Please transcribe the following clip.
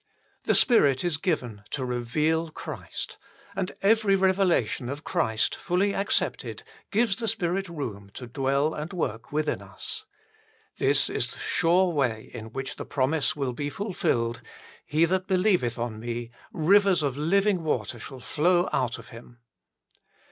The Spirit is given to reveal Christ, and every revelation of Christ fully accepted gives the Spirit room to dwell and work within us. This is the sure way in which the promise will be fulfilled :" He that belie veth on Me, rivers of living water shall flow out of him."